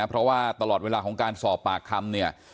เพราะว่าตลอดเวลาของการสอบปากคำเนี่ย